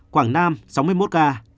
quảng nam sáu mươi một ca